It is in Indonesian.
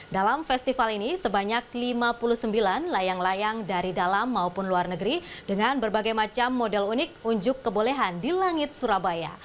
dalam festival ini sebanyak lima puluh sembilan layang layang dari dalam maupun luar negeri dengan berbagai macam model unik unjuk kebolehan di langit surabaya